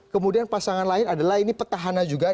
kemudian pasangan lain adalah ini petahana juga